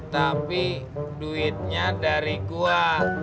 tapi duitnya dari gue